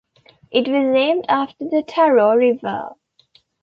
It was named after the Taro river.